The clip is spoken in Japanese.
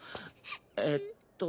えっと。